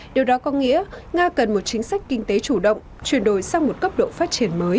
điều đó có nghĩa nga cần một chính sách kinh tế chủ động chuyển đổi sang một cấp độ phát triển mới